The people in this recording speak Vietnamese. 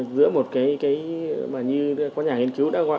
giữa một cái mà như có nhà nghiên cứu đã nói là người dân sẽ bị lạc lối trên mạng xã hội